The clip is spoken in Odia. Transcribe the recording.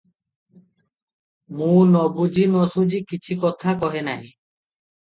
ମୁଁ ନବୁଝି ନସୁଝି କଛି କଥା କହେ ନାହିଁ ।